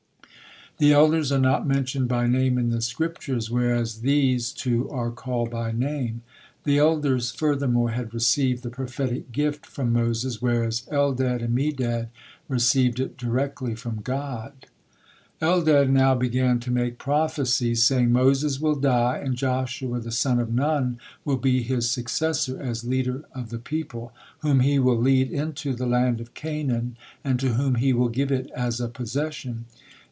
The elders are not mentioned by name in the Scriptures, whereas theses two are called by name. The elders, furthermore, had received the prophetic gift from Moses, whereas Eldad and Medad received it directly from God. Eldad now began to make prophecies, saying: "Moses will die, and Joshua the son of Nun will be his successor as leader of the people, whom he will lead into the land of Canaan, and to whom he will give it as a possession."